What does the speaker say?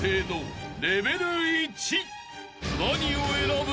［何を選ぶ？］